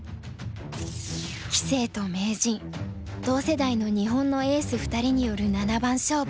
同世代の日本のエース２人による七番勝負。